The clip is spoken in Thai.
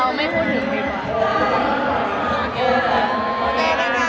โอเคเดี๋ยวละค่ะได้แล้ว